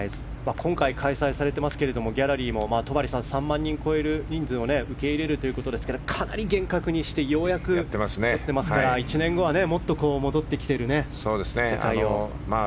今回、開催されていますがギャラリーも３万人を超える人数を受け入れるということですがかなり厳格にようやくやってますから１年後はもっと戻ってきているでしょう。